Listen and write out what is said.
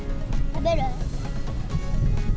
食べる？